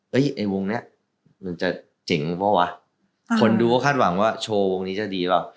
ไอ้วงเนี้ยมันจะเจ๋งเปล่าวะคนดูก็คาดหวังว่าโชว์วงนี้จะดีเปล่า